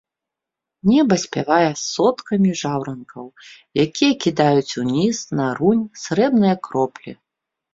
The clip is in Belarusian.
Неба спявае соткамі жаўранкаў, якія кідаюць уніз, на рунь, срэбныя кроплі.